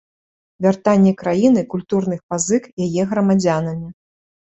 Вяртанне краіне культурных пазык яе грамадзянамі.